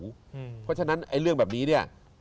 เพราะฉะนั้นเรื่องแบบนี้เนี่ย